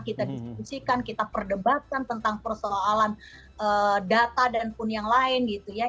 kita diskusikan kita perdebatkan tentang persoalan data dan pun yang lain gitu ya